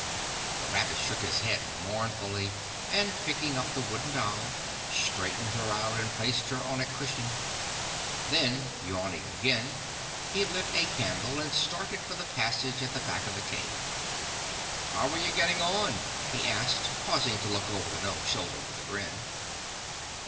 The rabbit shook his head mournfully and, picking up the wooden doll, straightened her out and placed her on a cushion. Then, yawning again, he lit a candle and started for the passage at the back of the cave. "How are you getting on?" he asked, pausing to look over the gnome's shoulder with a grin.